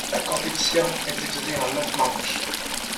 La compétition est divisée en neuf manches.